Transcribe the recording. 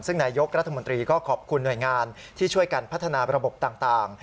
ซึ่งนายยกรัฐมนตรีก็ขอบคุณหน่วยงานที่ช่วยกันพัฒนาระบบต่าง